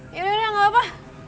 yaudah udah gak apa apa